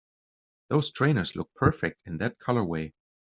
Those trainers look perfect in that colorway!